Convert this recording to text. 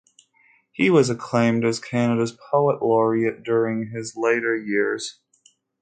He was acclaimed as Canada's poet laureate during his later years.